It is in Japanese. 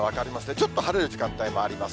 ちょっと晴れる時間帯もあります。